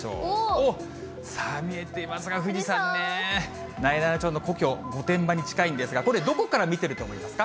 おっ、さあ、見えていますが、富士山ね、なえなのちゃんの故郷、御殿場に近いんですが、これ、どこから見てると思いますか？